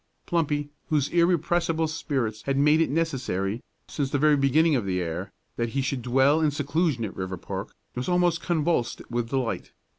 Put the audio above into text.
Plumpy, whose irrepressible spirits had made it necessary, since the very beginning of the year, that he should dwell in seclusion at Riverpark, was almost convulsed with delight.